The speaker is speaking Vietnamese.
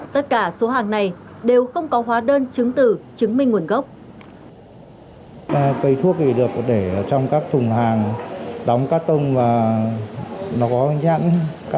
tất cả số hàng này đều không có hóa đơn chứng tử chứng minh nguồn gốc